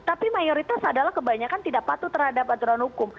tapi mayoritas adalah kebanyakan tidak patuh terhadap aturan hukum